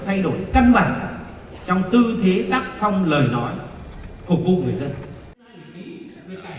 chúng tôi cũng thay đổi cân bản trong tư thế tác phong lời nói phục vụ người dân